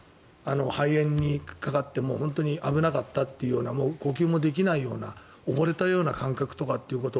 肺炎にかかって本当に危なかったというような呼吸もできないような溺れたような感覚ということ。